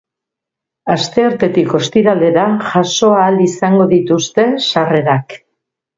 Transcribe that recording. Asteartetik ostiralera jasoko ahal izango dituzte sarrerak.